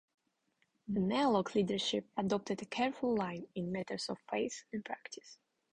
The Neolog leadership adopted a careful line in matters of faith and practice.